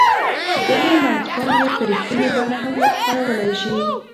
دا منځپانګې په رښتینې بڼه هم اړولای شي